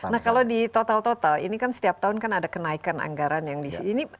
nah kalau di total total ini kan setiap tahun ada kenaikan anggaran yang disini